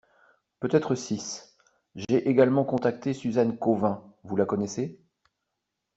Peut-être six, j’ai également contacté Suzanne Cauvin, vous la connaissez?